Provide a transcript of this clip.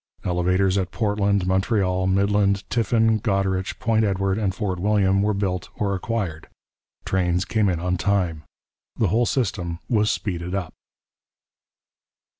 Elevators at Portland, Montreal, Midland, Tiffin, Goderich, Point Edward, and Fort William were built or acquired. Trains came in on time. The whole system was 'speeded up.'